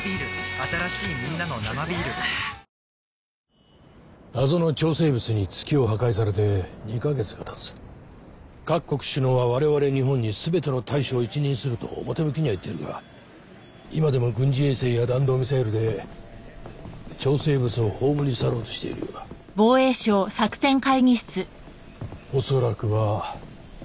新しいみんなの「生ビール」謎の超生物に月を破壊されて２ヵ月がたつ各国首脳は我々日本にすべての対処を一任すると表向きには言ってるが今でも軍事衛星や弾道ミサイルで超生物を葬り去ろうとしているようだ恐らくは日本